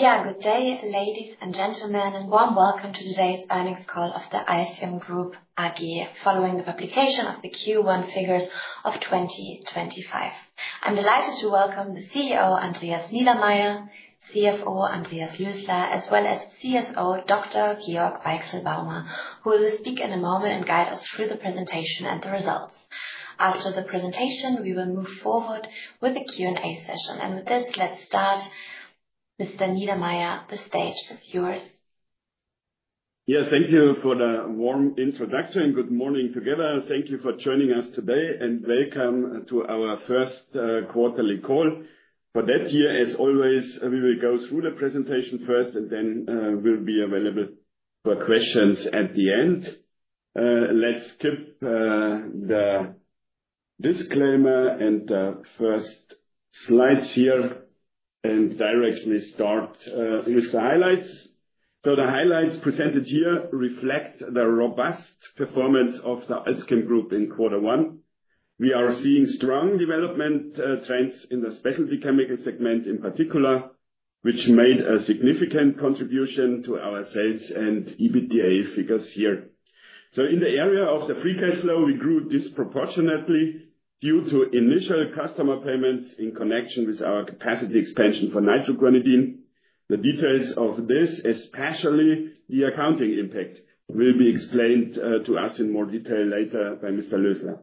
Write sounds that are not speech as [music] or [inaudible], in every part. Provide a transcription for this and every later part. Yeah. Good day, ladies and gentlemen, and warm welcome to today's earnings call of AlzChem Group AG. Following the publication of the Q1 figures of 2025, I'm delighted to welcome the CEO Andreas Niedermaier, CFO Andreas Lösler, as well as CSO Dr. Georg Weichselbaumer, who will speak in a moment and guide us through the presentation and the results. After the presentation, we will move forward with the Q&A session and with this, let's start with Mr. Niedermaier. The stage is yours. Yes. Thank you for the warm introduction. Good morning together. Thank you for joining us today and welcome to our first quarterly call for that year. As always, we will go through the presentation first and then we'll be available for questions at the end. Let's skip the disclaimer and first slides here and directly start with the highlights. The highlights presented here reflect the robust performance of the AlzChem Group in quarter one. We are seeing strong development trends in the specialty chemicals segment in particular, which made a significant contribution to our sales and EBITDA figures here. In the area of the free cash flow, we grew disproportionately due to initial customer payments in connection with our capacity expansion for nitroguanidine. The details of this, especially the accounting impact, will be explained to us in more detail later by Mr. Lösler.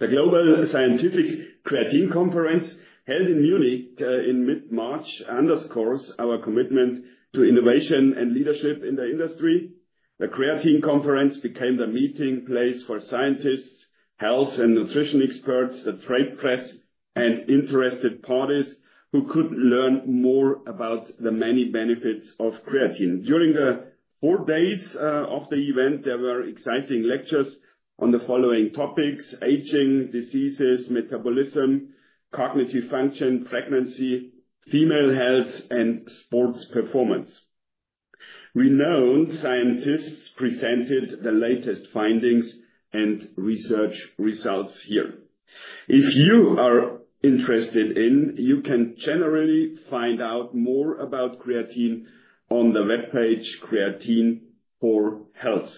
The global Scientific Creatine Conference held in Munich in mid March underscores our commitment to innovation and leadership in the industry. The Creatine Conference became the meeting place for scientists, health and nutrition experts, the trade press, and interested parties who could learn more about the many benefits of creatine. During the four days of the event, there were exciting lectures on the following topics: aging, diseases, metabolism, cognitive function, pregnancy, female health, and sports performance. Renowned scientists presented the latest findings and research results here. If you are interested in, you can generally find out more about creatine on the webpage Creatine for Health.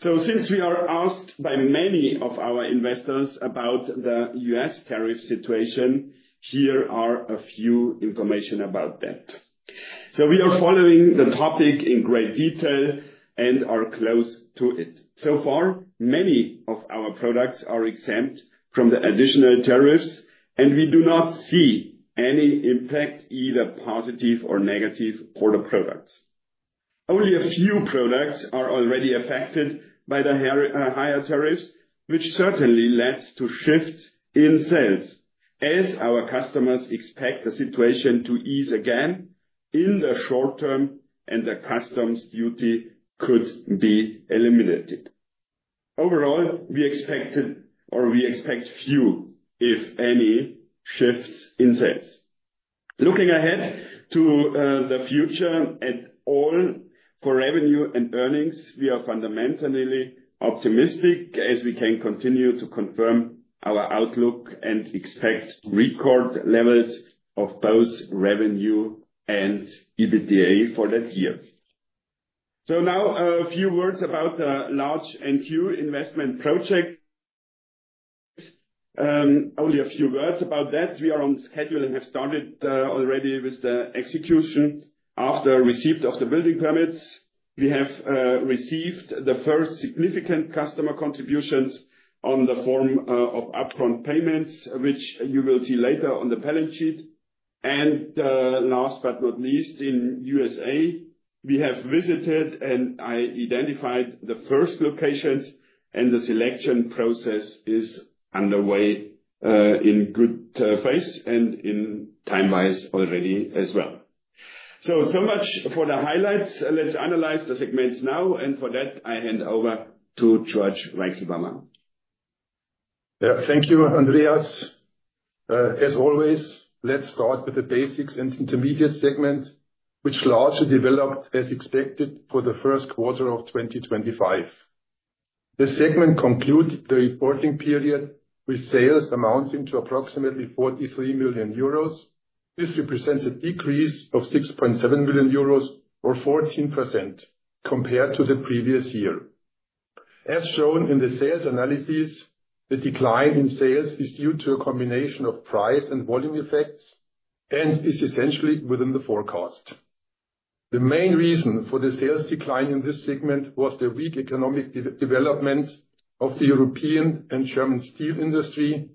Since we are asked by many of our investors about the US Tariff situation, here are a few information about that. We are following the topic in great detail and are close to it. So far many of our products are exempt from the additional tariffs and we do not see any impact, either positive or negative for the products. Only a few products are already affected by the higher tariffs, which certainly led to shifts in sales as our customers expect the situation to ease again in the short term and the customs duty could be eliminated. Overall, we expect few if any shifts in sales. Looking ahead to the future at all for revenue and earnings. We are fundamentally optimistic as we can continue to confirm our outlook and expect record levels of both revenue and EBITDA for that year. Now a few words about the large and new investment project. Only a few words about that. We are on schedule and have started already with the execution. After receipt of the building permits we have received the first significant customer contributions in the form of upfront payments which you will see later on the balance sheet. Last but not least in USA we have visited and identified the first locations and the selection process is underway in good phase and in time wise already as well. So much for the highlights. Let's analyze the segments now and for that I hand over to Georg Weichselbaumer. Thank you Andreas as always. Let's start with the basics and intermediate segment which largely developed as expected for the first quarter of 2025. The segment concludes the reporting period with sales amounting to approximately 43 million euros. This represents a decrease of 6.7 million euros or 14% compared to the previous year. As shown in the sales analysis, the decline in sales is due to a combination of price and volume effects and is essentially within the forecast. The main reason for the sales decline in this segment was the weak economic development of the European and German steel industry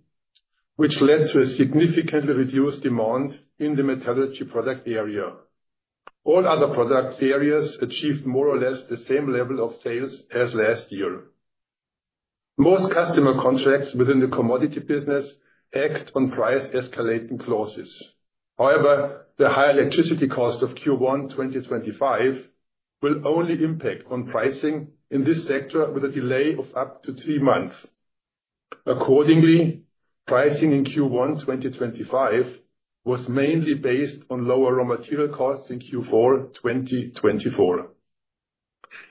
which led to a significantly reduced demand in the metallurgy product area. All other product areas achieved more or less the same level of sales as last year. Most customer contracts within the commodity business act on price escalating clauses. However, the high electricity cost of Q1 2025 will only impact on pricing in this sector with a delay of up to three months. Accordingly, pricing in Q1 2025 was mainly based on lower raw material costs. In Q4 2024,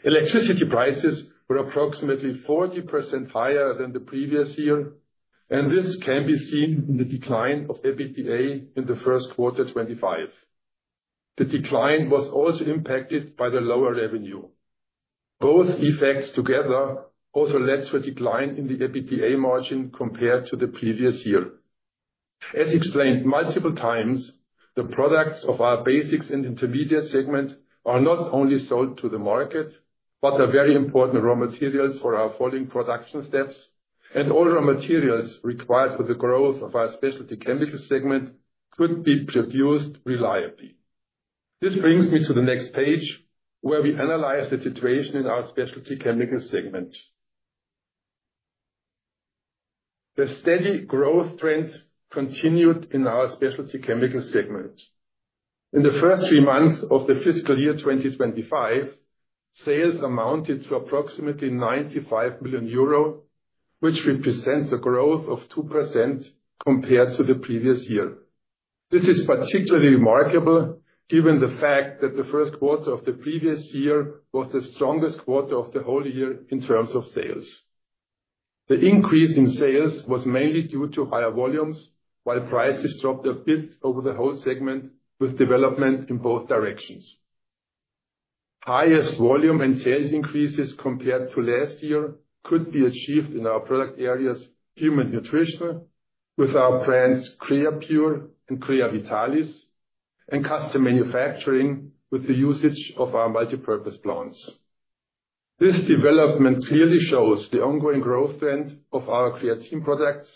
electricity prices were approximately 40% higher than the previous year and this can be seen in the decline of EBITDA in Q1 2025. The decline was also impacted by the lower revenue. Both effects together also led to a decline in the EBITDA margin compared to the previous year. As explained multiple times, the products of our basics and intermediate segment are not only sold to the market, but are very important raw materials for our following production steps and all raw materials required for the growth of our specialty chemical segment could be produced reliably. This brings me to the next page where we analyze the situation in our specialty chemical segment. The steady growth trend continued in our specialty chemicals segment. In the first three months of the fiscal year 2025, sales amounted to approximately 95 million euro, which represents a growth of 2% compared to the previous year. This is particularly remarkable given the fact that the first quarter of the previous year was the strongest quarter of the whole year in terms of sales. The increase in sales was mainly due to higher volumes while prices dropped a bit over the whole segment. With development in both directions, highest volume and sales increases compared to last year could be achieved in our product areas human nutrition with our brands Creapure and Creavitalis and custom manufacturing with the usage of our multipurpose plants. This development clearly shows the ongoing growth trend of our Creapure products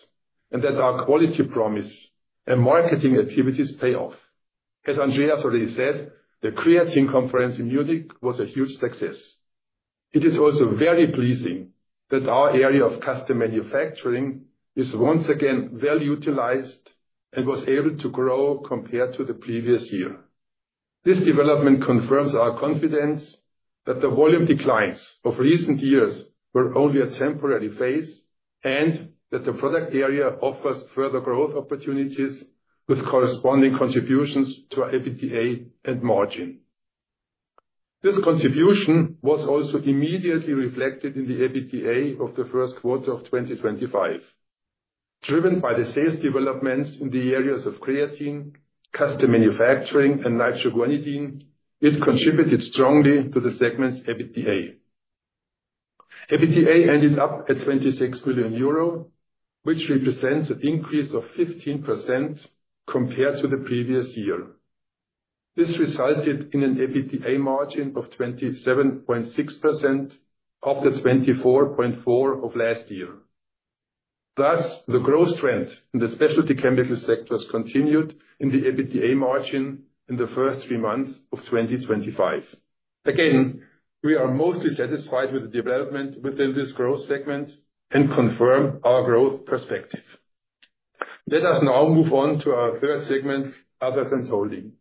and that our quality promise and marketing activities pay off. As Andreas already said, the Creatine conference in Munich was a huge success. It is also very pleasing that our area of custom manufacturing is once again well utilized and was able to grow compared to the previous year. This development confirms our confidence that the volume declines of recent years were only a temporary phase and that the product area offers further growth opportunities with corresponding contributions to our EBITDA and margin. This contribution was also immediately reflected in the EBITDA of the first quarter of 2025 driven by the sales developments in the areas of creatine, custom manufacturing and nitroguanidine. It contributed strongly to the segment's EBITDA. EBITDA ended up at EUR 26 million which represents an increase of 15% compared to the previous year. This resulted in an EBITDA margin of 27.6% off the 24.4% of last year. Thus, the growth trend in the specialty chemical sectors continued in the EBITDA margin in the first three months of 2025. Again, we are mostly satisfied with the development within this growth segment and confirm our growth perspective. Let us now move on to our third segment. Other than holding,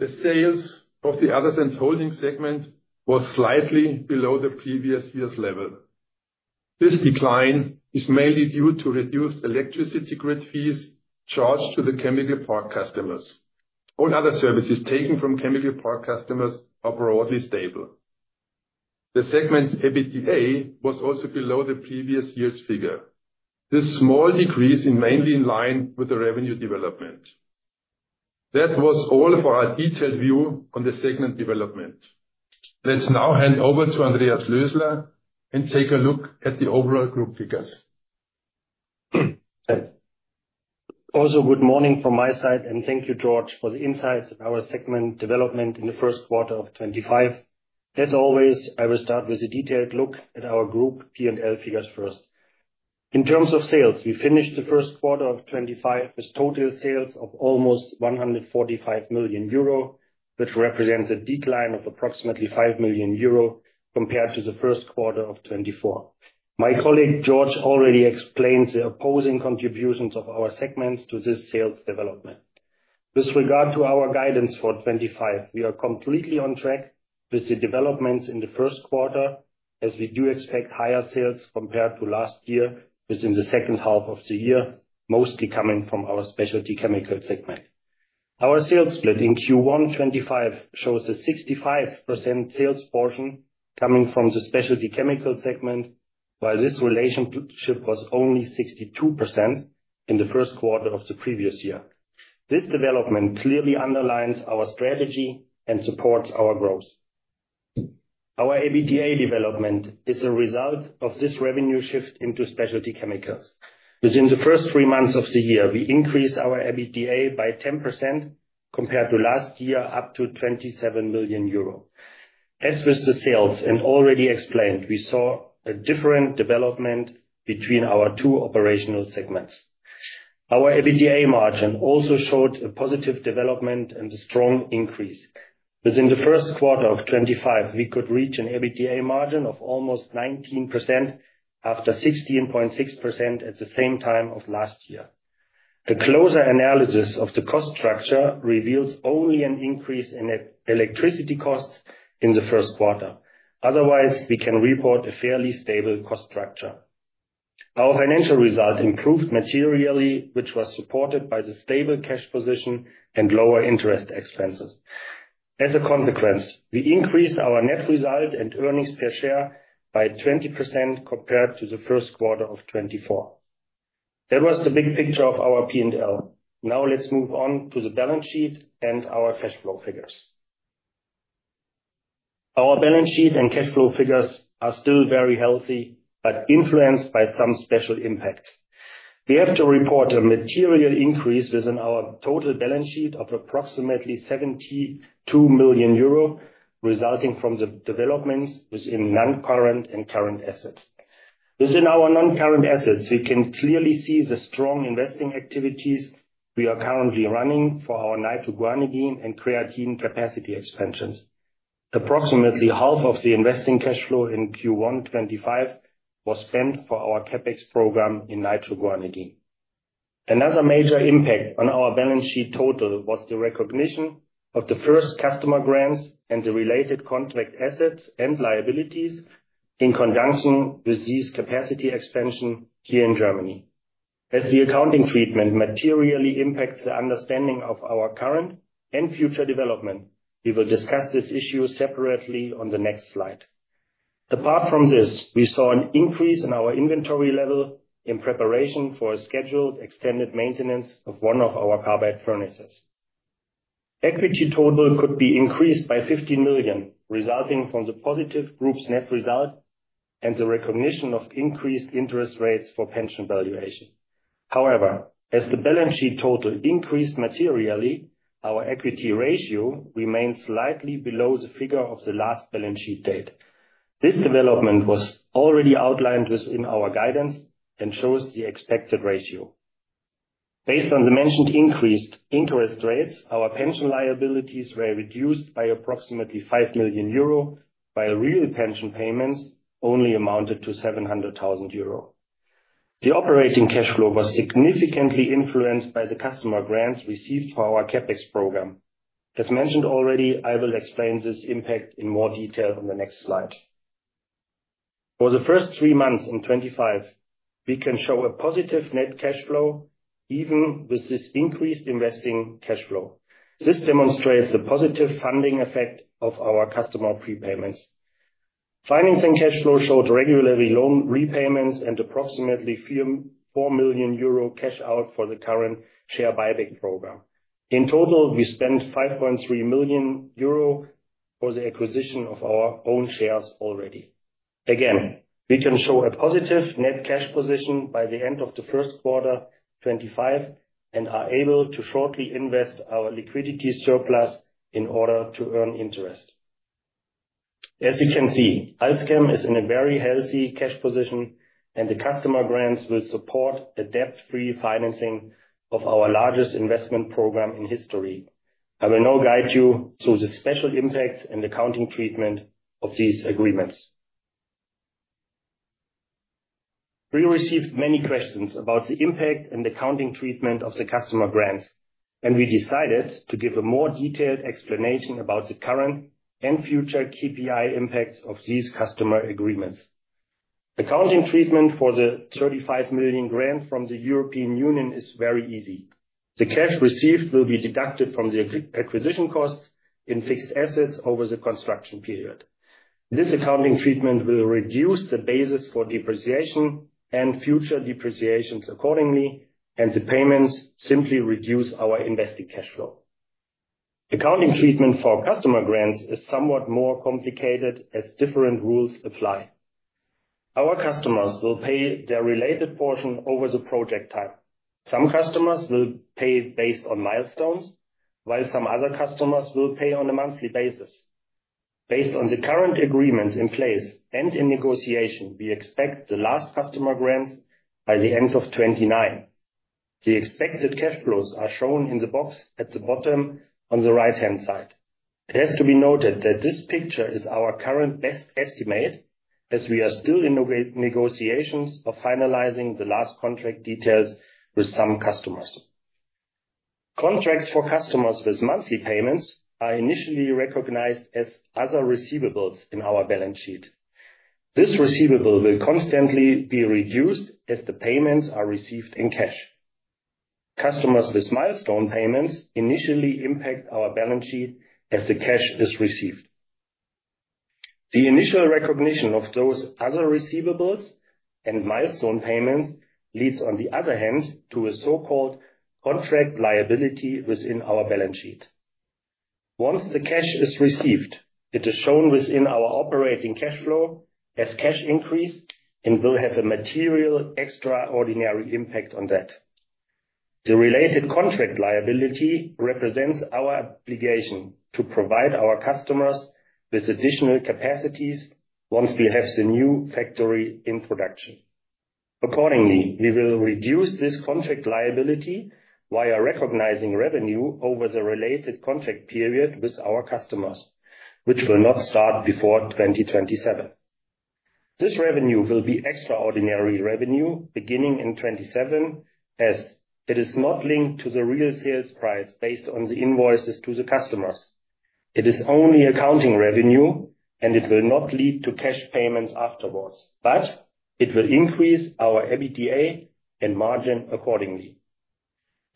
the sales of the Others and Holdings segment was slightly below the previous year's level. This decline is mainly due to reduced electricity grid fees charged to the Chemical Park customers. All other services taken from Chemical Park customers are broadly stable. The segment's EBITDA was also below the previous year's figure. This small decrease is mainly in line with the revenue development. That was all for our detailed view on the segment development. Let's now hand over to Andreas Lösler and take a look at the overall group figures. Also, good morning from my side and thank you, Georg, for the insights of our segment development in 1Q 2025. As always, I will start with a detailed look at our Group P&L figures. First, in terms of sales, we finished 1Q 2025 with total sales of almost 145 million euro, which represents a decline of approximately 5 million euro compared to 1Q 2024. My colleague Georg already explains the opposing contributions of our segments to this sales development. With regard to our guidance for 2025, we are completely on track with the developments in the first quarter as we do expect higher sales compared to last year within the second half of the year, mostly coming from our specialty chemicals segment. Our sales split in Q1 2025 shows a 65% sales portion coming from the specialty chemicals segment. While this relationship was only 62% in the first quarter of the previous year, this development clearly underlines our strategy and supports our growth. Our EBITDA development is a result of this revenue shift into specialty chemicals. Within the first three months of the year we increased our EBITDA by 10% compared to last year up to 27 million euro. As with the sales and already explained, we saw a different development between our two operational segments. Our EBITDA margin also showed a positive development and a strong increase within 1Q 2025. We could reach an EBITDA margin of almost 19% after 16.6% at the same time of last year. A closer analysis of the cost structure reveals only an increase in electricity costs in the first quarter. Otherwise we can report a fairly stable cost structure. Our financial result improved materially which was supported by the stable cash position and lower interest expenses. As a consequence, we increased our net result and earnings per share by 20% compared to Q1 2024. That was the big picture of our P&L. Now let's move on to the balance sheet and our cash flow figures. Our balance sheet and cash flow figures are still very healthy but influenced by some special impacts. We have to report a material increase within our total balance sheet of approximately 72 million euro resulting from the developments within non current and current assets. Within our non current assets we can clearly see the strong investing activities we are currently running for our nitroguanidine and creatine capacity expansions. Approximately half of the investing cash flow in Q1 2025 was spent for our CapEx program in nitroguanidine. Another major impact on our balance sheet total was the recognition of the first customer grants and the related contract assets and liabilities in conjunction with these capacity expansion here in Germany. As the accounting treatment materially impacts the understanding of our current and future development, we will discuss this issue separately on the next slide. Apart from this, we saw an increase in our inventory level in preparation for a scheduled extended maintenance of one of our carbide furnaces. Equity total could be increased by 15 million resulting from the positive group's net result and the recognition of increased interest rates for pension valuation. However, as the balance sheet total increased materially, our equity ratio remains slightly below the figure of the last balance sheet date. This development was already outlined within our guidance and shows the expected ratio based on the mentioned increased interest rates. Our pension liabilities were reduced by approximately 5 million euro while real pension payments only amounted to 700,000 euro. The operating cash flow was significantly influenced by the customer grants received for our CapEx program as mentioned already. I will explain this impact in more detail on the next slide. For the first three months in 2025 we can show a positive net cash flow even with this increased investing cash flow. This demonstrates the positive funding effect of our customer prepayments. Financing cash flow showed regular loan repayments and approximately 4 million euro cash out for the current share buyback program. In total, we spent 5.3 million euro for the acquisition of our own shares already. Again, we can show a positive net cash position by the end of 1Q 2025 and are able to shortly invest our liquidity surplus in order to earn interest. As you can see, AlzChem is in a very healthy cash position and the customer grants will support the debt free financing of our largest investment program in history. I will now guide you through the special impacts and accounting treatment of these agreements. We received many questions about the impact and accounting treatment of the customer grant and we decided to give a more detailed explanation about the current and future KPI impacts of these customer agreements. Accounting treatment for the 35 million grant from the European Union is very easy. The cash received will be deducted from the acquisition costs in fixed assets over the construction period. This accounting treatment will reduce the basis for depreciation and future depreciations accordingly and the payments simply reduce our invested cash flow. Accounting treatment for customer grants is somewhat more complicated as different rules apply. Our customers will pay their related portion over the project time. Some customers will pay based on milestones while some other customers will pay on a monthly basis based on the current agreements in place and in negotiation. We expect the last customer grants by the end of 2029. The expected cash flows are shown in the box at the bottom on the right hand side. It has to be noted that this picture is our current best estimate as we are still in negotiations of finalizing the last contract details with some customers. Contracts for customers with monthly payments are initially recognized as other receivables in our balance sheet. This receivable will constantly be reduced as the payments are received in cash. Customers with milestone payments initially impact our balance sheet as the cash is received. The initial recognition of those other receivables and milestone payments leads on the other hand to a so-called contract liability within our balance sheet. Once the cash is received, it is shown within our operating cash flow as cash increase and will have a material extraordinary impact on that. The related contract liability represents our obligation to provide our customers with additional capacities once we have the new factory in production. Accordingly, we will reduce this contract liability via recognizing revenue over the related contract period with our customers which will not start before 2027. This revenue will be extraordinary revenue beginning in 2027 as it is not linked to the real sales price based on the invoices to the customers. It is only accounting revenue and it will not lead to cash payments afterwards, but it will increase our EBITDA and margin accordingly.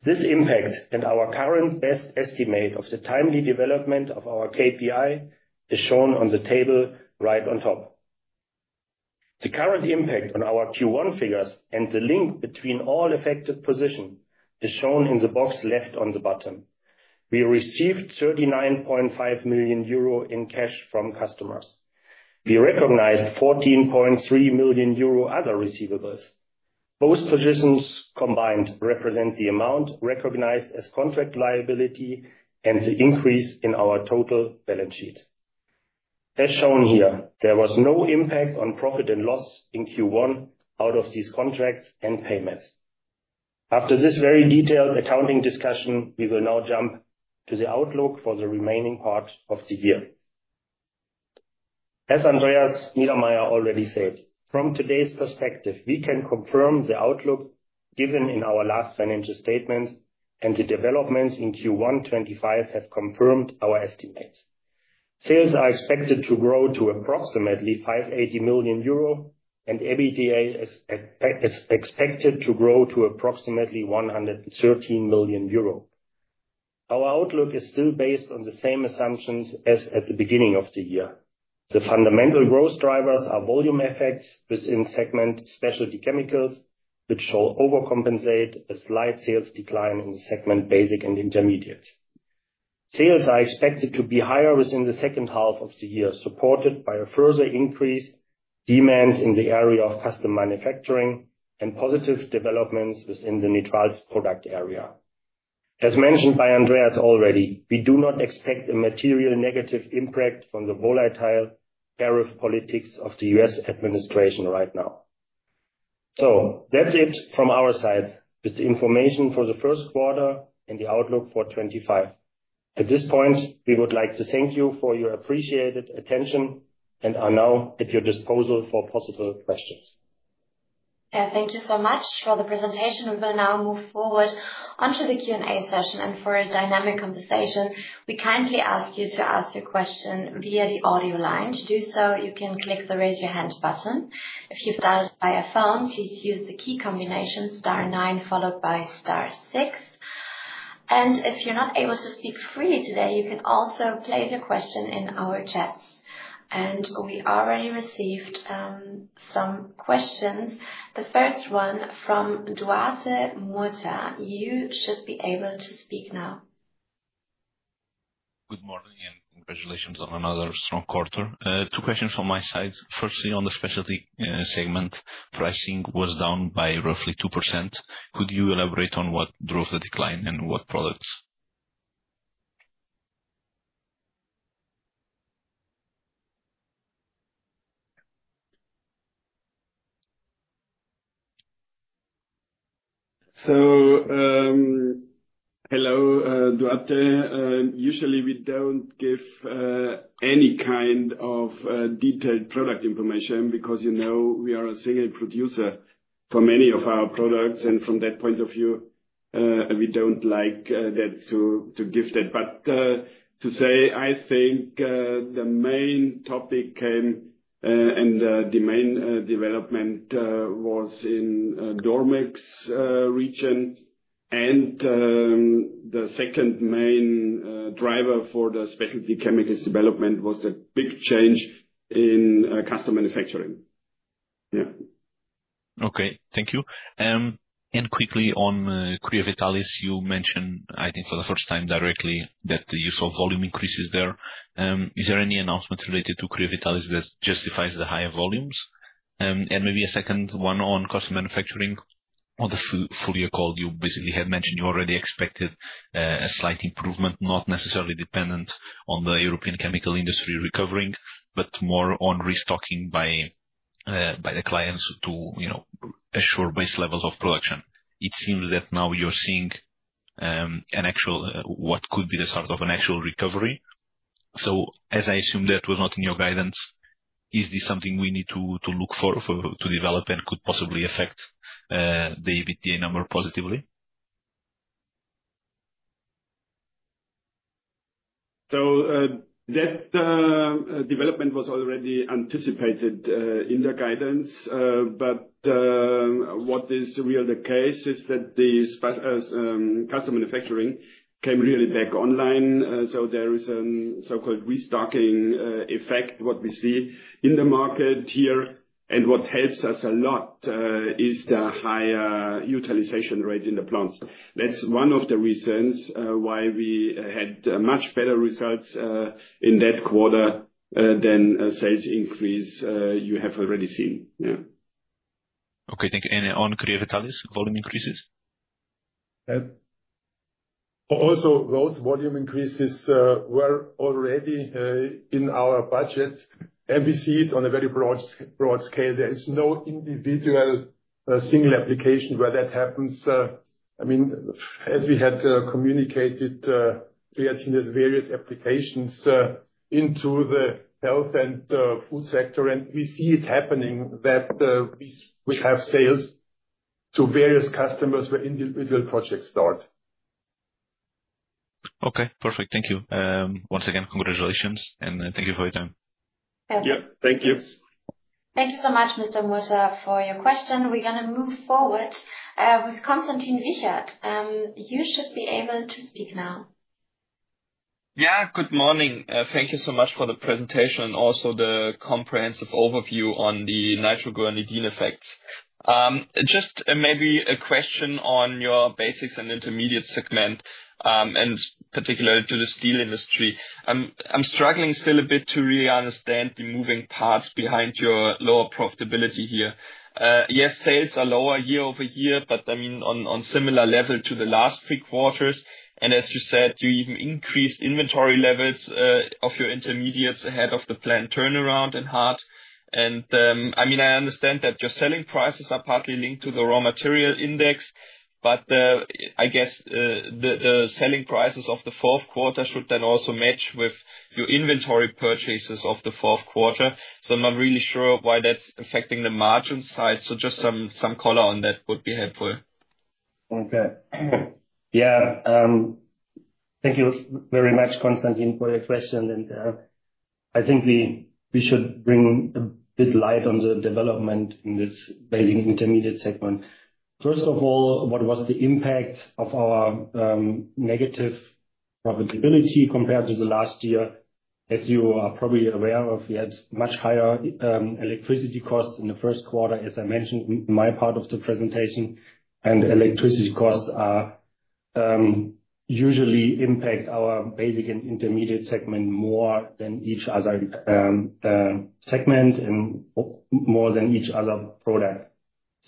This impact and our current best estimate of the timely development of our KPI is shown on the table right on top. The current impact on our Q1 figures and the link between all affected positions is shown in the box left on the bottom. We received 39.5 million euro in cash from customers. We recognized 14.3 million euro other receivables. Both positions combined represent the amount recognized as contract liability and the increase in our total balance sheet. As shown here, there was no impact on profit and loss in Q1 out of these contracts and payments. After this very detailed accounting discussion, we will now jump to the outlook for the remaining part of the year. As Andreas Niedermaier already said, from today's perspective we can confirm the outlook given in our last financial statement and the developments in Q1 2025 have confirmed our estimates. Sales are expected to grow to approximately 580 million euro and EBITDA is expected to grow to approximately 113 million euro. Our outlook is still based on the same assumptions as at the beginning of the year. The fundamental growth drivers are volume effects within segment specialty chemicals which shall overcompensate a slight sales decline in the segment basic and intermediate. Sales are expected to be higher within the second half of the year supported by a further increase in demand in the area of custom manufacturing and positive developments within the nitrils product area. As mentioned by Andreas already, we do not expect a material negative impact from the volatile tariff politics of the U.S. Administration right now. That is it from our side with the information for the first quarter and the outlook for 2025. At this point we would like to thank you for your appreciated attention and are now at your disposal for possible questions. Thank you so much for the presentation. We will now move forward onto the Q and A session and for a dynamic conversation we kindly ask you to ask your question via the audio line. To do so, you can click the raise your hand button. If you've done it by a phone, please use the key combination star nine followed by six. If you're not able to speak freely today, you can also place a question in our chat. We already received some questions. The first one from Duarte Moeta. You should be able to speak now. Good morning and congratulations on another strong quarter. Two questions from my side. Firstly, on the specialty segment, pricing was down by roughly 2%. Could you elaborate on what drove the decline and what products? Hello Duarte. Usually we do not give any kind of detailed product information because, you know, we are a single producer for many of our products. From that point of view, we do not like to give that. To say, I think the main topic came and the main development was in the Dormex region, and the second main driver for the specialty chemicals development was the big change in custom manufacturing. Yeah. Okay, thank you. Quickly on Creavitalis, you mentioned, I think for the first time directly, that the use of volume increases there. Is there any announcement related to Creavitalis that justifies the higher volumes? Maybe a second one on custom manufacturing. On the full year call, you basically had mentioned you already expected a slight improvement, not necessarily dependent on the European chemical industry recovering, but more on restocking by the clients to assure base levels of production. It seems that now you're seeing what could be the start of an actual recovery. As I assume that was not in your guidance, is this something we need to look for to develop and could possibly affect the EBITDA number positively? That development was already anticipated in the guidance. What is really the case is that the custom manufacturing came really back online. There is a so-called restocking effect. What we see in the market here and what helps us a lot is the higher utilization rate in the plants. That is one of the reasons why we had much better results in that quarter than a sales increase you have already seen. Yeah. Okay, thank you. On Creavitalis volume increases. Also. Those volume increases were already in our budget and we see it on a very broad scale. There is no individual single application where that happens. I mean, as we had communicated, creatine has various applications into the health and food sector and we see it happening that we have sales to various customers where individual projects start. Okay, perfect. Thank you. Once again, congratulations and thank you for your time. Yeah, thank you. Thank you so much, Mr. Moeta, for your question. We're going to move forward with Konstantin Wichert. You should be able to speak now. Yeah, good morning. Thank you so much for the presentation. Also, the comprehensive overview on the nitroguanidine effects. Just maybe a question on your basics and intermediate segment, and particularly to the steel industry. I'm struggling still a bit to really understand the moving parts behind your lower profitability here. Yes, sales are lower year-over-year, but I mean on similar level to the last three quarters. As you said, you even increased inventory levels of your intermediates ahead of the planned turnaround in Hart. I mean, I understand that your selling prices are partly linked to the raw material index, but I guess the selling prices of the fourth quarter should then also match with your inventory purchases of the fourth quarter. I'm not really sure why that's affecting the margin side. Just some color on that would be helpful. Okay. Yeah. Thank you very much, Konstantin, for your question. I think we should bring a bit light on the development in this basic intermediate segment. First of all, what was the impact of our negative profitability compared to last year? As you are probably aware of, we had much higher electricity costs in the first quarter, as I mentioned in my part of the presentation. Electricity costs usually impact our basic and intermediate segment more than each other segment and more than each other product.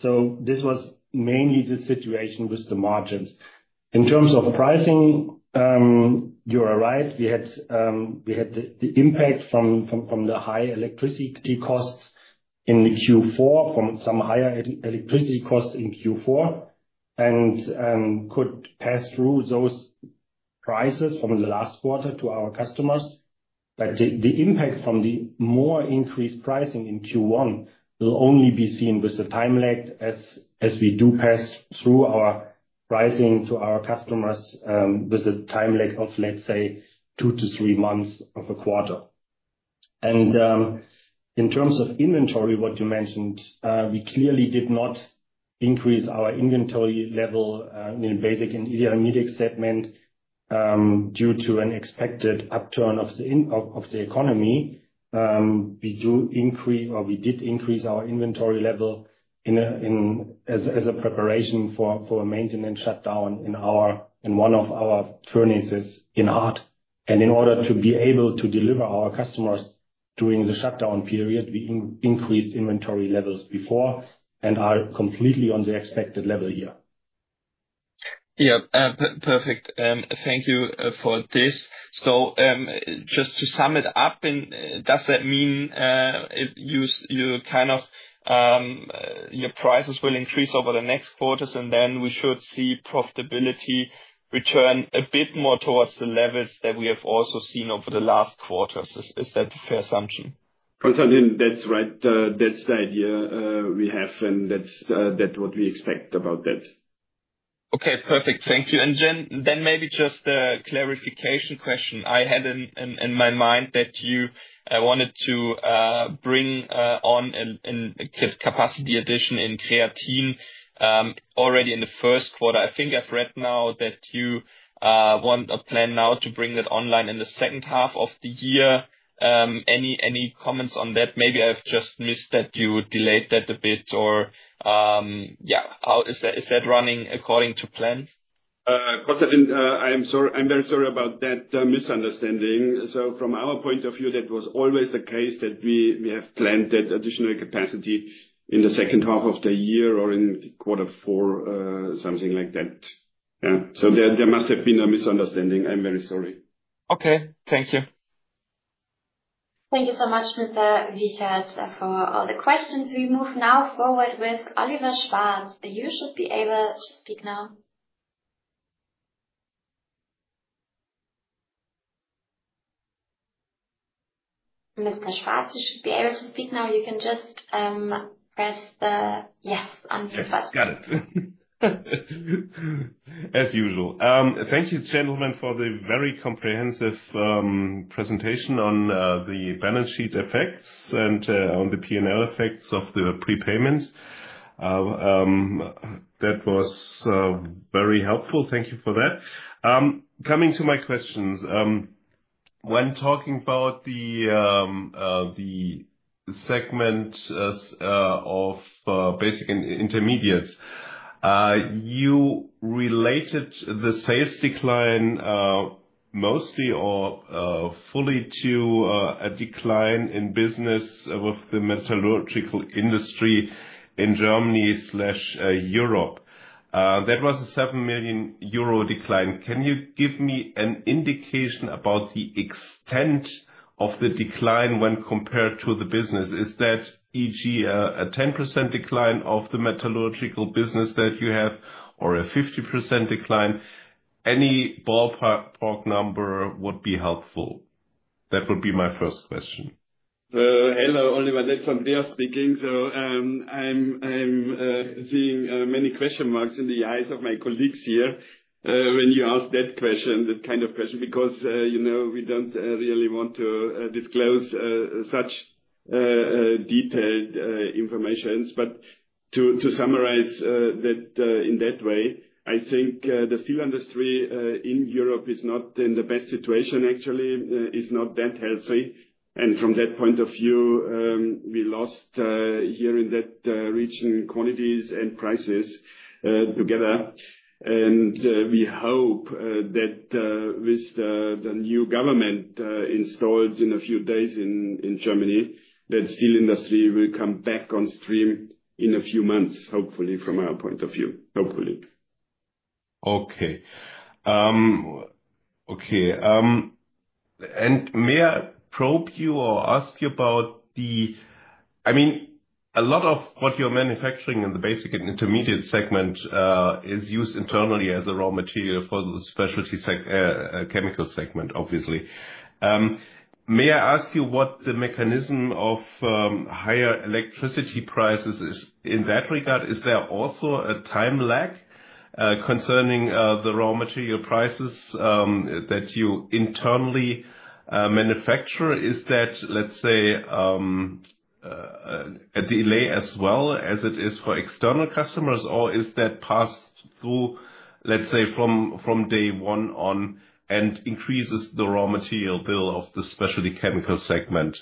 This was mainly the situation with the margins in terms of pricing. You are right. We had the impact from the high electricity costs in Q4, from some higher electricity costs in Q4 and could pass through those prices from the last quarter to our customers. The impact from the more increased pricing in Q1 will only be seen with the time lag as we do pass through our pricing to our customers with a time lag of, let's say, two to three months of a quarter. In terms of inventory, what you mentioned, we clearly did not increase our inventory level in basic and segment due to an expected upturn of the economy. We do increase, or we did increase, our inventory level as a preparation for a maintenance shutdown in one of our furnaces in Hart. In order to be able to deliver our customers during the shutdown period, we increased inventory levels before and are completely on the expected level here. Yeah, perfect. Thank you for this. Just to sum it up, does that mean if you kind of your prices will increase over the next quarters, and then we should see profitability return a bit more towards the levels that we have also seen over the last quarter. Is that a fair assumption, consultant? That's right. That's the idea we have, and that's what we expect about that. Okay, perfect. Thank you. Then, maybe just a clarification question. I had in my mind that you wanted to bring on capacity addition in Creatine already in the first quarter. I think I've read now that you plan now to bring that online in the second half of the year. Any comments on that? Maybe I've just missed that you delayed that a bit or. Yeah. How is that running according to plan? Konstantin, I'm very sorry about that misunderstanding. From our point of view, that was always the case, that we have planned additional capacity in the second half of the year or in quarter four, something like that. There must have been a misunderstanding. I'm very sorry. Okay, thank you. Thank you so much, Mr. Wichert, for all the questions. We move now forward with Oliver Schwarz, you should be able to speak now. Mr. Schwarz, you should be able to speak now. You can just press the yes, got it. As usual. Thank you, gentlemen, for the very comprehensive presentation on the balance sheet effects and on the P&L effects of the prepayments. That was very helpful. Thank you for that. Coming to my questions, when talking about. The. Segment of basic intermediates, you related the sales decline mostly or fully to a decline in business with the metallurgical industry in Germany/Europe, that was a 7 million euro decline. Can you give me an indication about the extent of the decline when compared to the business? Is that a 10% decline of the metallurgical business that you have, or a 50% decline? Any ballpark number would be helpful. That would be my first question. Hello, Oliver. That's Andreas speaking. I'm seeing many question marks in the eyes of my colleagues here when you ask that question, that kind of question, because, you know, we don't really want to disclose such detailed information. To summarize in that way, I think the steel industry in Europe is not in the best situation, actually is not that healthy. From that point of view, we lost here in that region quantities and prices together. We hope that with the new government installed in a few days in Germany, that steel industry will come back on stream in a few months, hopefully, from our point of view, hopefully. Okay. Okay. May I probe you or ask you about the, I mean, a lot of what you're manufacturing in the basic and intermediate segment is used internally as a raw material for the specialty chemical segment, obviously. May I ask you what the mechanism of higher electricity prices is in that regard? Is there also a time lag concerning the raw material prices that you internally manufacture? Is that, let's say, a delay as well as it is for external customers? Or is that passed through, let's say from day one on and increases the raw material bill of the specialty chemicals segment.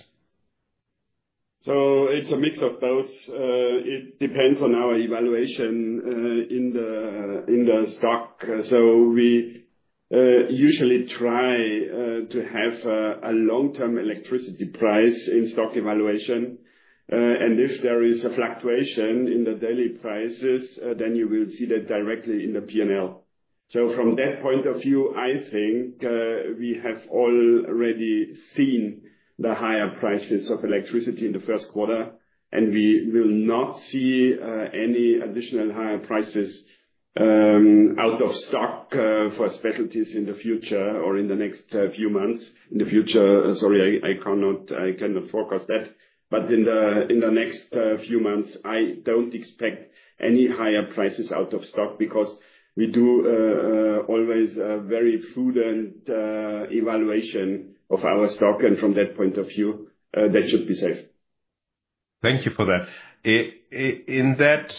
It is a mix of those. It depends on our evaluation in the stock. We usually try to have a long-term electricity price in stock evaluation. If there is a fluctuation in the daily prices, then you will see that directly in the P&L. From that point of view, I think we have already seen the higher prices of electricity in the first quarter and we will not see any additional higher prices out of stock for specialties in the future or in the next few months. In the future, sorry, I cannot forecast that. In the next few months I do not expect any higher prices out of stock because we do always very prudent evaluation of our stock. From that point of view, that should be safe. Thank you for that. In that,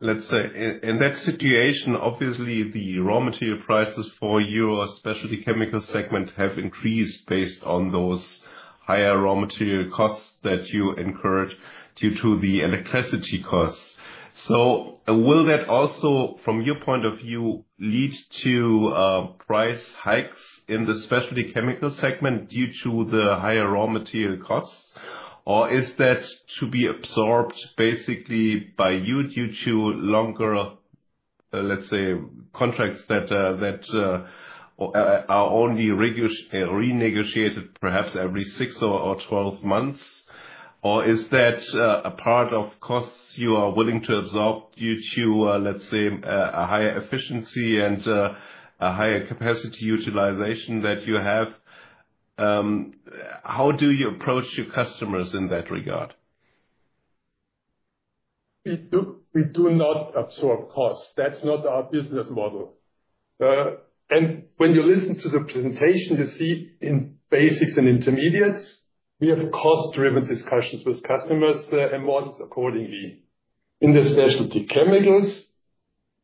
let's say in that situation, obviously the raw material prices for your specialty chemicals segment have increased based on those higher raw material costs that you incurred due to the electricity costs. Will that also from your point of view lead to price hikes in the specialty chemicals segment due to the higher raw material costs? Is that to be absorbed basically by you due to longer, let's say, contracts that are only renegotiated perhaps every six or twelve months? Is that a part of costs you are willing to absorb due to, let's say, a higher efficiency and a higher capacity utilization that you have? How do you approach your customers in that regard? We do not absorb costs. That's not our business model. When you listen to the presentation you see, in basics and intermediates, we have cost driven discussions with customers and models accordingly. In the specialty chemicals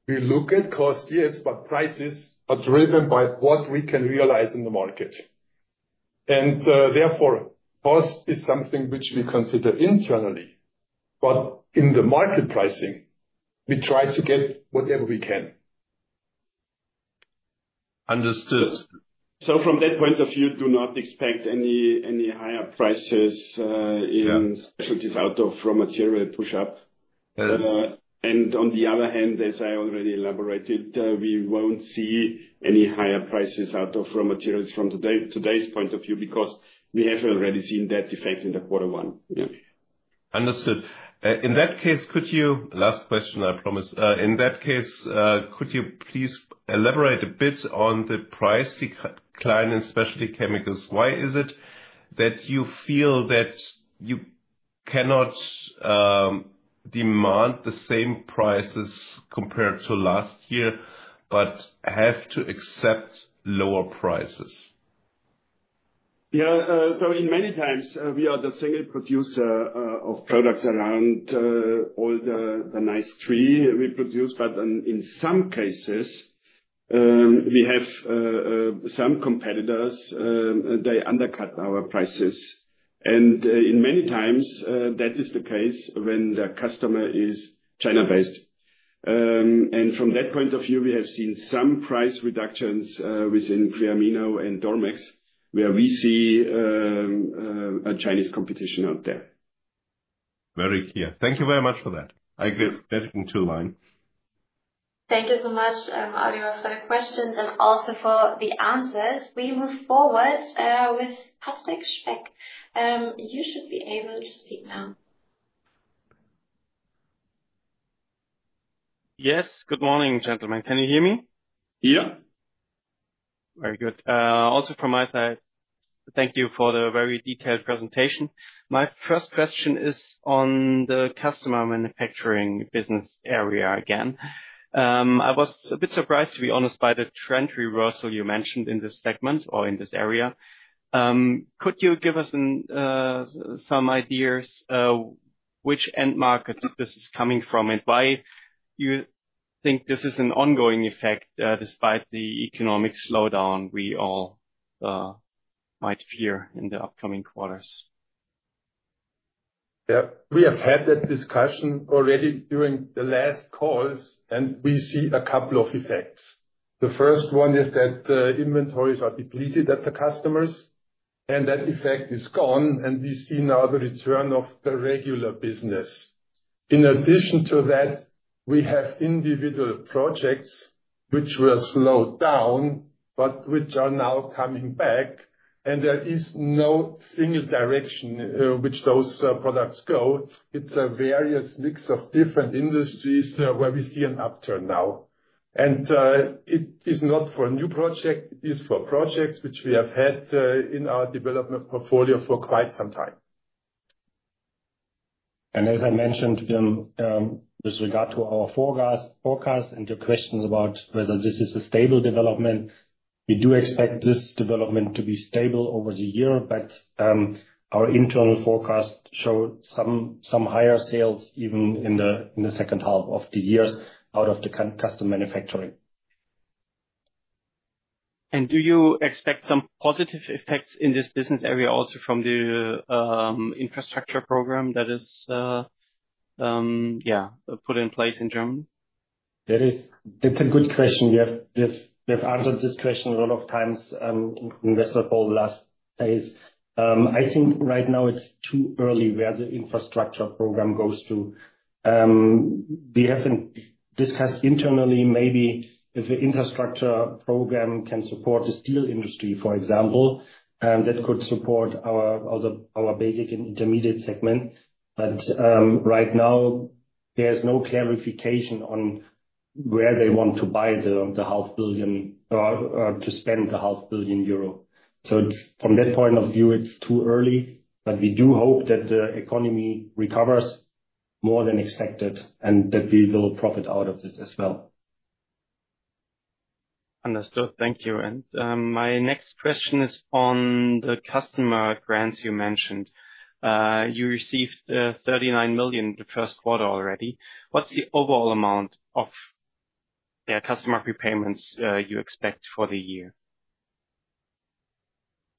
we look at cost, yes, but prices are driven by what we can realize in the market. Therefore cost is something which we consider internally, but in the market pricing we try to get whatever we can. Understood? From that point of view, do not expect any higher prices in specialties out of raw material push up. On the other hand, as I already elaborated, we will not see any higher prices out of raw materials from today's point of view because we have already seen that effect in quarter one. Understood. In that case, could you—last question, I promise—in that case, could you please elaborate a bit on the price decline in specialty chemicals? Why is it that you feel that you cannot demand the same prices compared to last year but have to accept lower prices? Yeah. In many times we are the single producer of products around all the nice trees we produce. In some cases we have some competitors, they undercut our prices. In many times that is the case when the customer is China based. From that point of view we have seen some price reductions within Creapure and Dormex where we see a Chinese competition out there. Very clear. Thank you very much for that. [audio distortion] Thank you so much. Oliver for the questions and also for the answers. We move forward with Patrick Speck. You should be able to speak now. Yes, good morning gentlemen. Can you hear me? Yeah. Very good. Also from my side. Thank you for the very detailed presentation. My first question is on the custom manufacturing business area. Again, I was a bit surprised, too. Be honest by the trend reversal you mentioned. In this segment or in this area, could you give us some ideas which end markets this is coming from? Why do you think this is ongoing? Effect despite the economic slowdown we all might fear in the upcoming quarters? We have had that discussion already during the last calls and we see a couple of effects. The first one is that inventories are depleted at the customers and that effect is gone. We see now the return of the regular business. In addition to that we have individual projects which were slowed down but which are now coming back. There is no single direction which those products go. It's a various mix of different industries where we see an upturn now and it is not for a new project. It is for projects which we have had in our development portfolio for quite some time. As I mentioned, with regard to our forecast and your question about whether this is a stable development, we do expect this development to be stable over the year. Our internal forecast showed some higher sales even in the second half of the year out of the custom manufacturing. Do you expect some positive effects in this business area also from the infrastructure program that is put in place in Germany? That's a good question. We have answered this question a lot of times in investor poll last days. I think right now it's too early. Where the infrastructure program goes to. We haven't discussed internally. Maybe if the infrastructure program can support the steel industry, for example, that could support our basic and intermediate segment. Right now there's no clarification on where they want to buy the 5 billion or to spend the 5 billion euro. From that point of view it's too early. We do hope that the economy recovers more than expected and that we will profit out of this as well. Understood, thank you. My next question is on the customer grants. You mentioned you received 39 million the first quarter already. What's the overall amount of customer prepayments you expect for the year?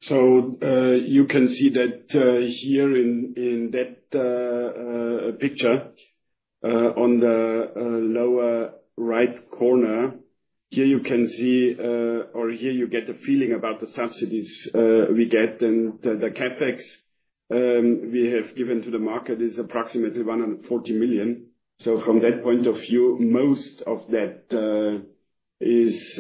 You can see that here in that picture on the lower right corner. Here you can see, or here you get the feeling about the subsidies we get. The CapEx we have given to the market is approximately 140 million. From that point of view, most of that is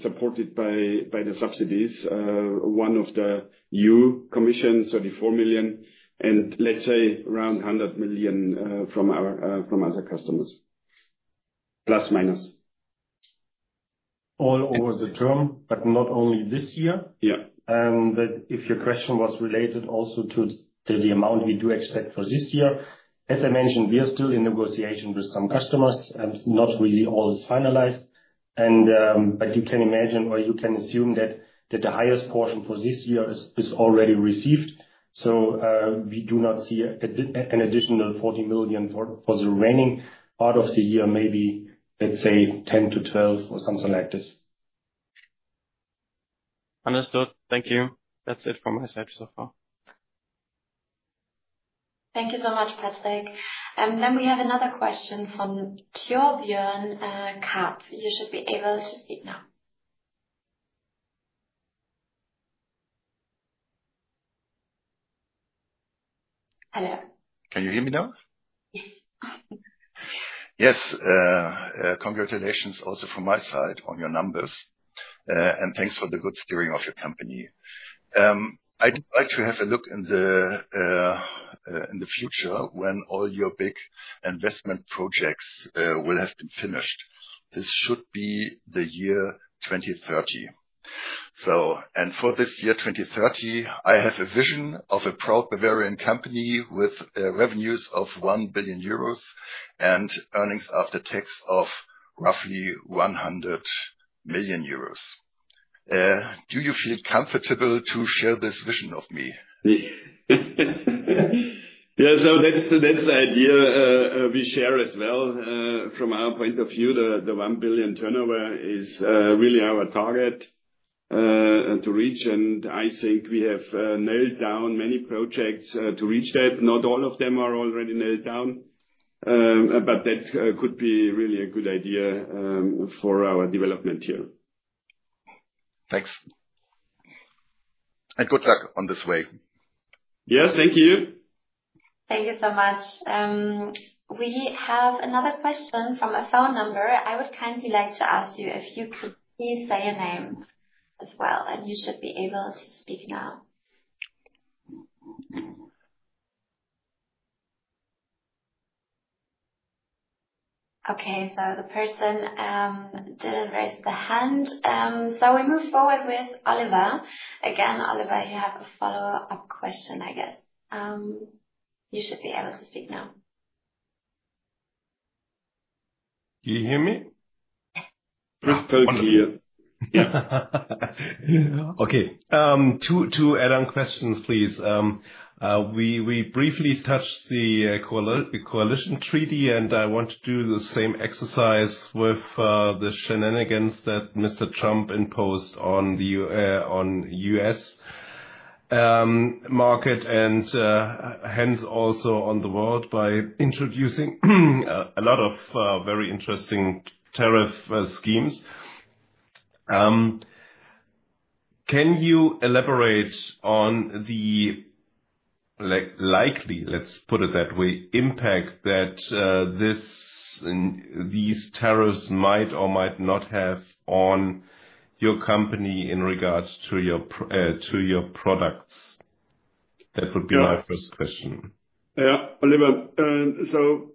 supported by the subsidies. One of the EU Commission, 34 million, and let's say around 100 million from our. From other customers, plus, minus. All over the term. Not only this year. If your question was related also to the amount we do expect for this year, as I mentioned, we are still in negotiation with some customers. Not really. All is finalized. You can imagine or you can assume that the highest portion for this year is already received. We do not see an additional 40 million for the remaining part of the year. Maybe let's say 10-12 million or something like this. Understood, thank you. That's it from my side so far. Thank you so much, Patrick. We have another question from Thjor Bjorn Kaap, you should be able to speak now. Hello. Can you hear me now? Yes. Congratulations also from my side on your numbers and thanks for the good steering of your company. I'd like to have a look in the future when all your big investment projects will have been finished. This should be the year 2030. For this year 2030 I have a vision of a proud Bavarian company with revenues of 1 billion euros. Earnings after tax of roughly 100 million euros. Do you feel comfortable to share this vision with me? Yeah. That is the idea we share as well. From our point of view, the 1 billion turnover is really our target to reach. I think we have nailed down many projects to reach that. Not all of them are already nailed down, but that could be really a good idea for our development here. Thanks and good luck on this way. Yes, thank you. Thank you so much. We have another question from a phone number. I would kindly like to ask you if you could please say your name as well and you should be able to speak now. Okay, the person did not raise the hand. We move forward with Oliver again. Oliver, you have a follow up question. I guess you should be able to speak now. Can you hear me? Okay, to add on questions, please. We briefly touched the coalition treaty and I want to do the same exercise with the shenanigans that Mr. Trump imposed on the US market and hence also on the world by introducing a lot of very interesting tariff schemes. Can you elaborate on the likely, let's put it that way, impact that this, these tariffs might or might not have on your company in regards to your products? That would be my first question, Oliver.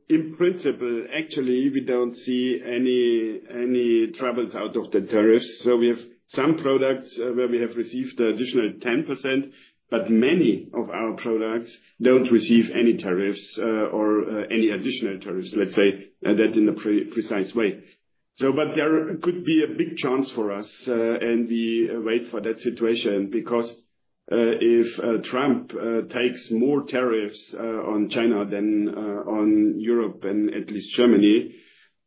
In principle, actually we don't see any troubles out of the tariffs. We have some products where we have received additional 10%, but many of our products don't receive any tariffs or any additional tariffs, let's say that in a precise way. There could be a big chance for us and we wait for that situation because if Trump takes more tariffs on China than on Europe and at least Germany,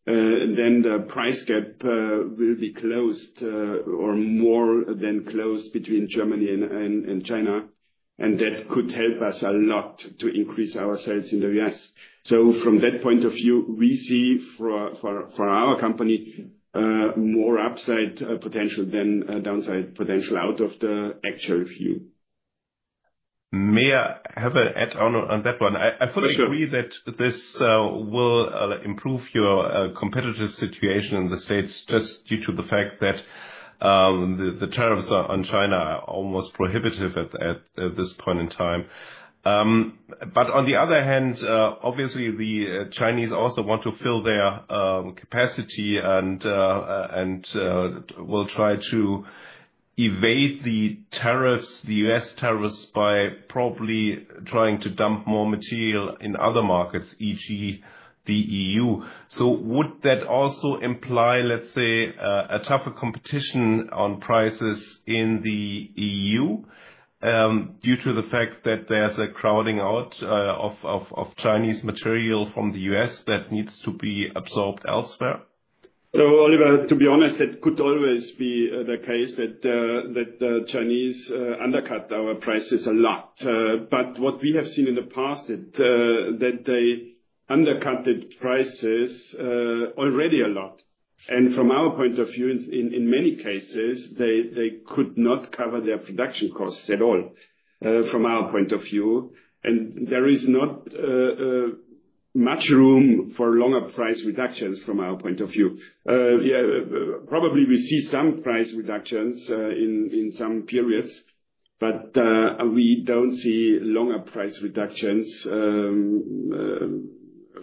then the price gap will be closed or more than closed between Germany and China and that could help us a lot to increase our sales in the US. From that point of view, we see for our company more upside potential than downside potential. Out of the actual view. May I. Have an add-on to that one? I fully agree that this will improve your competitive situation in the U.S. just due to the fact that the tariffs on China are almost prohibitive at this point in time. On the other hand, obviously the Chinese also want to fill their capacity and will try to evade the tariffs, the U.S. tariffs, by probably trying to dump more material in other markets, e.g., the EU. Would that also imply, let's say, a tougher competition on prices in the EU due to the fact that there is a crowding out of Chinese material from the U.S. that needs to be absorbed elsewhere? Oliver, to be honest, it could always be the case that the Chinese undercut our prices a lot. What we have seen in the past is that they undercut prices already a lot and from our point of view, in many cases they could not cover their production costs at all from our point of view. There is not much room for longer price reductions from our point of view. Probably we see some price reductions in some periods, but we do not see longer price reductions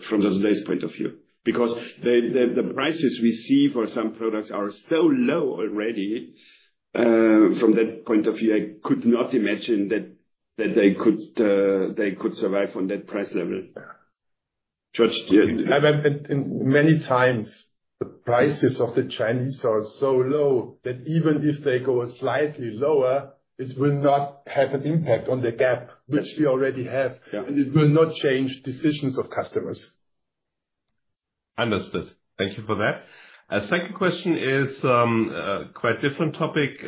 from today's point of view because the prices we see for some products are so low already. From that point of view, I could not imagine that they could survive on that price level. Many times the prices of the Chinese are so low that even if they go slightly lower, it will not have an impact on the gap which we already have and it will not change decisions of customers. Understood, thank you for that. A second question is quite different topic.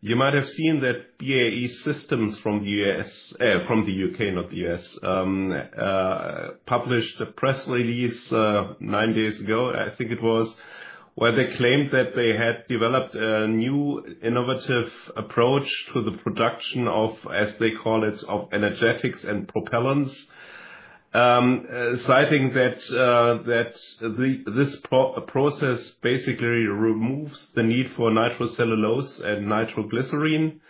You might have seen that BAE Systems from the U.K., not the U.S., published a press release nine days ago, I think it was, where they claimed that they had developed a new innovative approach to the production of, as they call it, of energetics and propellants, citing that this process basically removes the need for nitrocellulose and nitroglycerine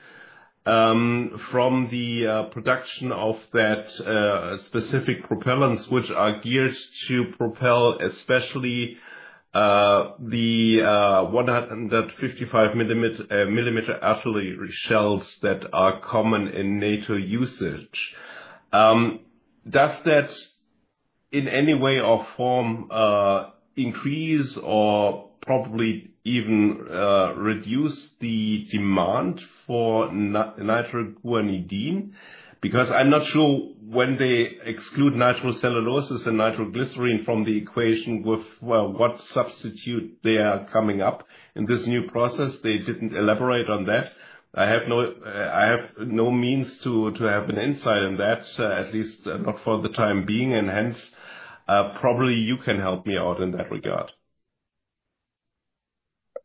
from the production of that specific propellants which are geared to propel especially the 155 millimeter artillery shells that are common in NATO usage. Does that in any way or form increase or probably even reduce the demand for nitroguanidine? Because I'm not sure when they exclude nitrocellulose and nitroglycerine from the equation with what substitute they are coming up in this new process. They didn't elaborate on that. I have no means to have an insight in that, at least not for the time being. Hence probably you can help me out in that regard.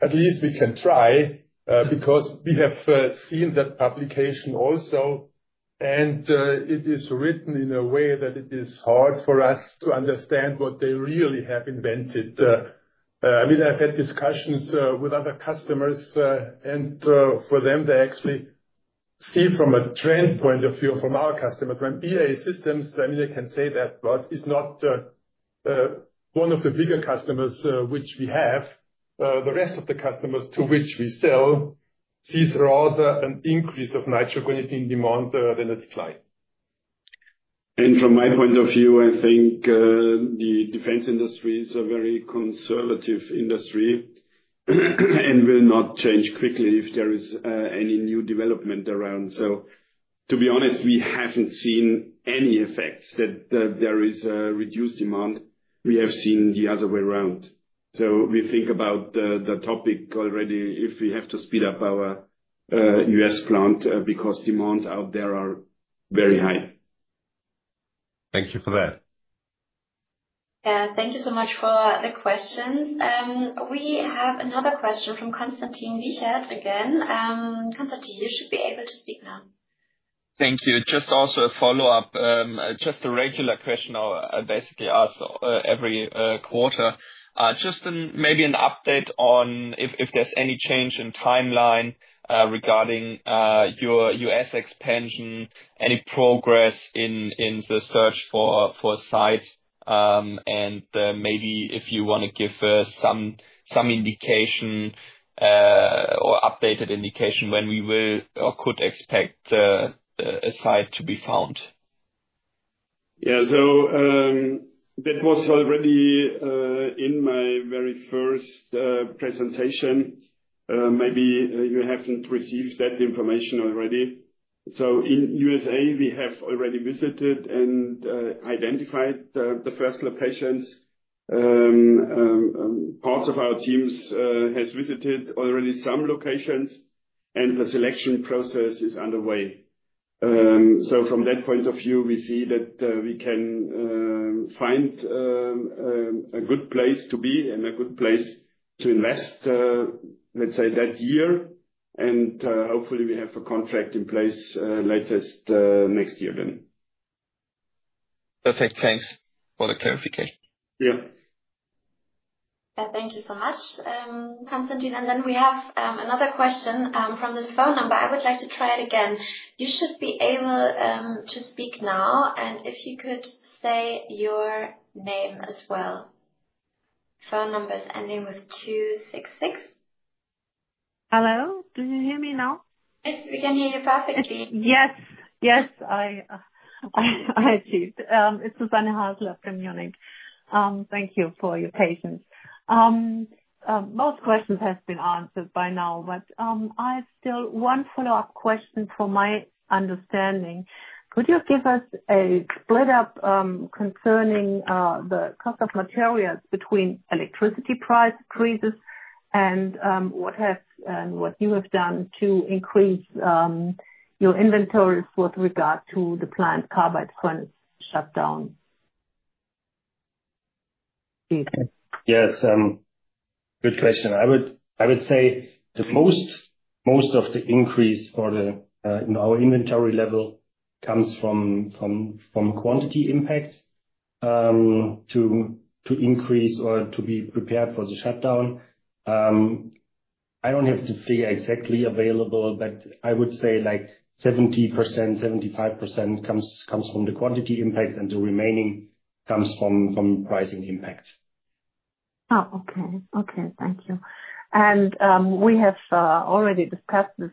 At least we can try because we have seen that publication also and it is written in a way that it is hard for us to understand what they really have invented. I mean, I've had discussions with other customers and for them they actually see from a trend point of view from our customers when BAE Systems, I mean, I can say that, but it's not one of the bigger customers which we have. The rest of the customers to which we sell sees rather an increase of nitroguanidine in demand than a supply. From my point of view, I think the defense industry is a very conservative industry and will not change quickly if there is any new development around. To be honest, we haven't seen any effects that there is a reduced demand. We have seen the other way around. We think about the topic already if we have to speed up our US plant because demands out there are very high. Thank you for that. Thank you so much for the questions. We have another question from Konstantin Wichert again. Konstantin, you should be able to speak now. Thank you. Just also a follow up, just a regular question I basically ask every quarter, just maybe an update on if there's any change in timeline regarding your US expansion, any progress in the search for a site and maybe if you want to give some indication or updated indication when we will or could expect a site to be found. Yeah, so that was already in my very first presentation. Maybe you haven't received that information already. In USA we have already visited and identified the first locations. Parts of our teams has visited already some locations and the selection process is underway. From that point of view we see that we can find a good place to be and a good place to invest, let's say that year and hopefully we have a contract in place. Latest next year then. Perfect. Thanks for the clarification. Yeah, thank you so much, Konstantin. We have another question from this phone number. I would like to try it again. You should be able to speak now and if you could say your name as well. Phone numbers ending with two, six, six. Hello, do you hear me now? Yes, we can hear you perfectly. Yes, yes, I achieved. It's Susanne Haas, LMU Munich. Thank you for your patience. Most questions have been answered by now. I still have one follow up question for my understanding. Could you give us a split up concerning the cost of materials between electricity and what have you? What you have done to increase your inventories with regard to the plant carbide when it's shut down? Yes, good question. I would say the most, most of the increase in our inventory level comes from quantity impacts to increase or to be prepared for the shutdown. I do not have the figure exactly available but I would say like 70%-75% comes from the quantity impact and the remaining comes from pricing impacts. Okay. Okay, thank you. We have already discussed this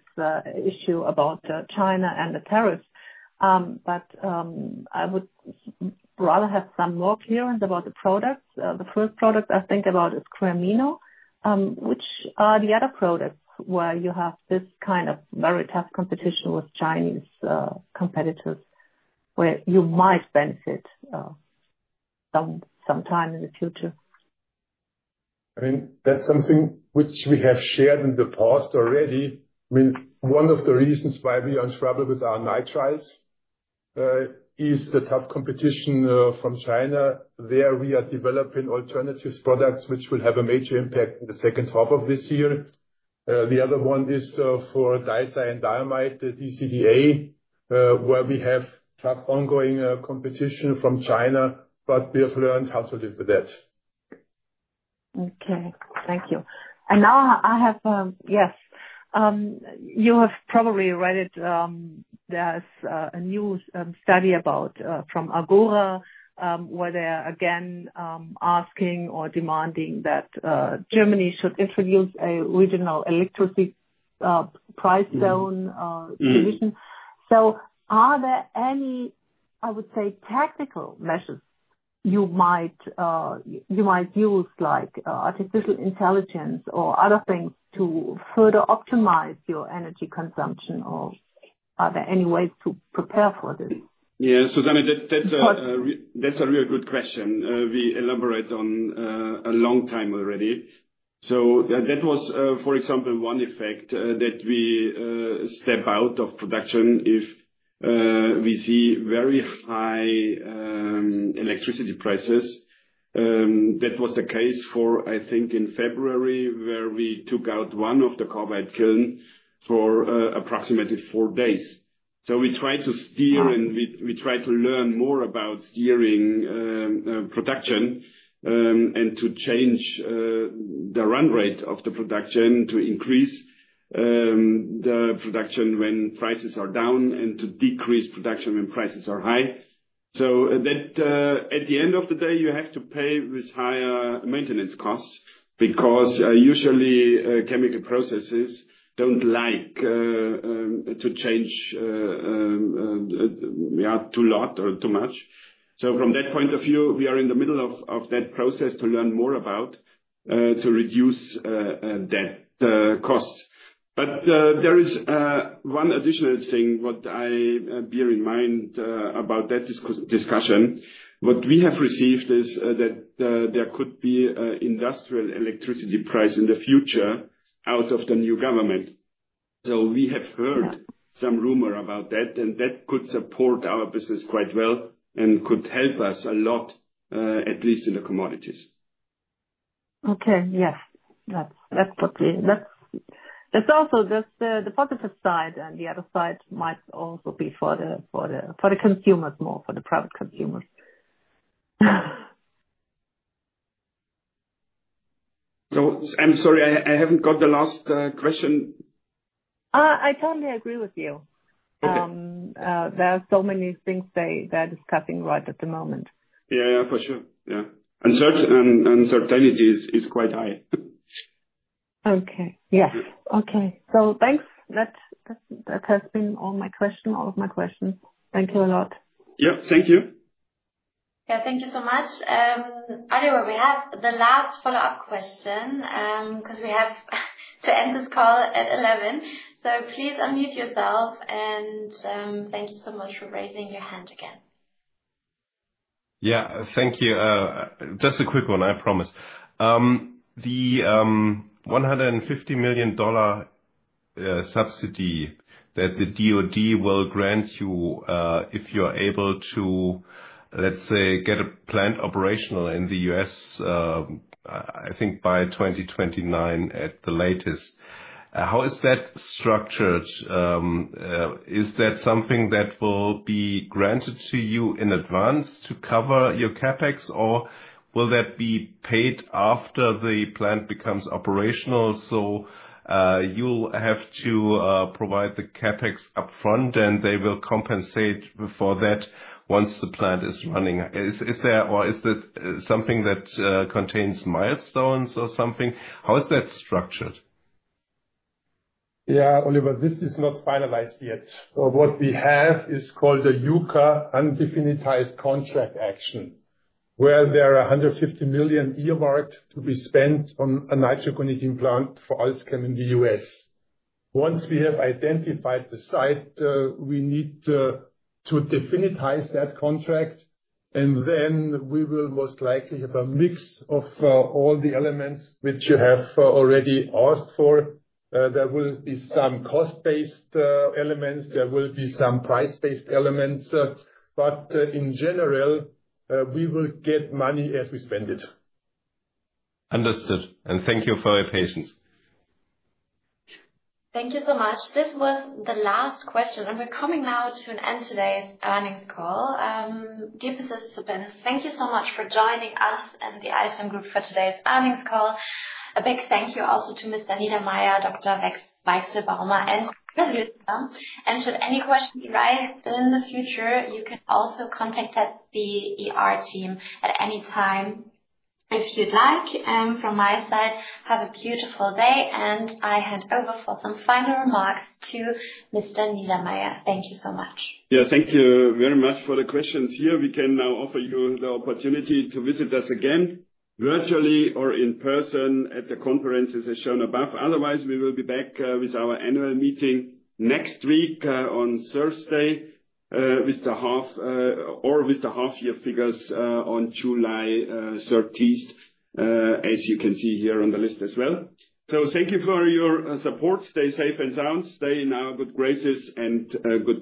issue about China and the tariffs. I would rather have some more clearance about the products. The first product I think about is Creapure, which are the other products where you have this kind of very tough competition with Chinese competitors where you might benefit sometime in the future. I mean that's something which we have shared in the past already. I mean one of the reasons why we are in trouble with our nitriles is the tough competition from China. There we are developing alternative products which will have a major impact in the second half of this year. The other one is for [audio distortion] DCDA where we have tough ongoing competition from China. But we have learned how to live with that. Okay, thank you. I have, yes, you have probably read it. There is a new study from Agora where they are again asking or demanding that Germany should introduce a regional electricity price zone solution. Are there any, I would say, tactical measures you might use like artificial intelligence or other things to further optimize your energy consumption or are there any ways to prepare for this? Yes, Susanne, that's a really good question. We elaborate on a long time already. That was for example, one effect that we step out of production if we see very high electricity prices. That was the case for I think in February where we took out one of the carbide kiln for approximately four days. We try to steer and we try to learn more about steering production and to change the run rate of the production, to increase the production when prices are down and to decrease production when prices are high. At the end of the day you have to pay with higher maintenance costs because usually chemical processes don't like to change too lot or too much. From that point of view, we are in the middle of that process to learn more about to reduce that costs. There is one additional thing, what I bear in mind about that discussion, what we have received is that there could be industrial electricity price in the future out of the new government. We have heard some rumor about that and that could support our business quite well and could help us a lot, at least in the commodities. Okay, yes, that's what we also just the positive side and the other side might also be for the consumers more, for the private consumers. I'm sorry, I haven't got the last question. I totally agree with you. There are so many things they're discussing right at the moment. Yeah, yeah, for sure. Yeah. Uncertainty is quite high. Okay. Yes. Okay, thanks. That has been all my questions. Thank you a lot. Yep, thank you. Thank you so much. Anyway, we have the last follow-up question because we have to end this call at 11 A.M., so please unmute yourself and thank you so much for raising your hand again. Yeah, thank you. Just a quick one. I promise the $150 million subsidy that the DoD will grant you if you are able to, let's say, get a plant operational in the US I think by 2029 at the latest. How is that structured? Is that something that will be granted to you in advance to cover your CapEx or will that be paid after the plant becomes operational? You have to provide the CapEx upfront and they will compensate for that once the plant is running. Is there or is that something that contains milestones or something? How is that structured? Yeah, Oliver, this is not finalized yet. What we have is called the UCA, Undefinitized Contract Action, where there are 150 million earmarked to be spent on a nitroguanidine plant for AlzChem in the US. Once we have identified the site, we need to definitize that contract and then we will most likely have a mix of all the elements which you have already asked for. There will be some cost-based elements, there will be some price-based elements, but in general we will get money as we spend it. Understood. Thank you for your patience. Thank you so much. This was the last question and we're coming now to an end. Today's earnings call. Dear participants, thank you so much for joining us and the AlzChem Group for today's earnings call. A big thank you also to Mr. Niedermaier, Dr. Weichselbaumer, and should any questions arise in the future, you can also contact us, the IR team, at any time if you'd like. From my side. Have a beautiful day and I hand over for some final remarks to Mr. Niedermaier. Thank you so much. Yeah, thank you very much for the questions here. We can now offer you the opportunity to visit us again virtually or in person at the conference as shown above. Otherwise, we will be back with our annual meeting next week on Thursday with the half or with the half year figures on July 30, as you can see here on the list as well. Thank you for your support. Stay safe and sound. Stay in our good graces and good.